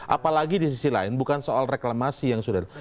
apalagi di sisi lain bukan soal reklamasi yang sudah